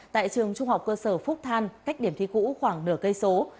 tại trường trung học cơ sở phúc than cách điểm thi cũ khoảng nửa cây số